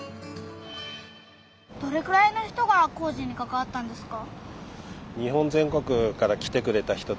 どれくらいの人が工事にかかわったんですか？